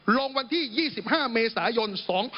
ลงวันที่๒๕เมษายน๒๕๖๒